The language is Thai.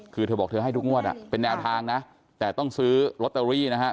คือเธอบอกเธอให้ทุกงวดเป็นแนวทางนะแต่ต้องซื้อลอตเตอรี่นะครับ